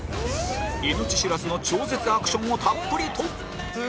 命知らずの超絶アクションをたっぷりと出た！